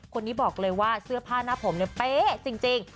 คนนี้บอกเลยว่าเสื้อผ้าหน้าผมเนี่ยเป๊ะจริง